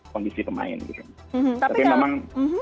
kondisi pemain tapi memang